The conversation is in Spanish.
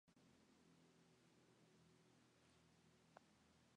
Luego giró al suroeste bajo la influencia de otra vaguada más al este.